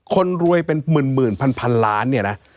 คนรวยเป็นหมื่นพันล้านเนี่ยนะ